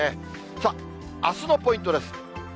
さあ、あすのポイントです。